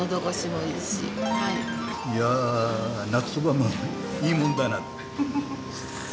いや夏そばもいいもんだな。